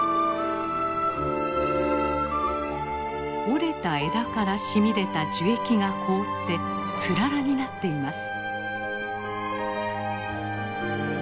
折れた枝から染み出た樹液が凍ってつららになっています。